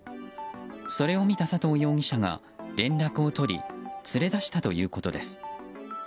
それを見た佐藤容疑者が連絡を取り連れ出したということです。